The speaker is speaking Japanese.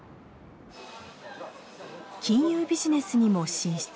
金融ビジネスにも進出。